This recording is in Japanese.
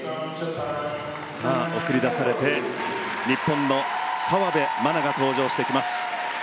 送り出されて日本の河辺愛菜が登場してきます。